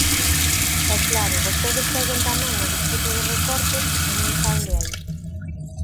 E, claro, vostedes seguen tamén no discurso dos recortes e non saen de aí.